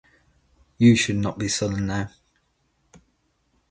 You should not be sullen now.